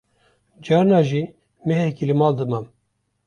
carna jî mehekî li mal dimam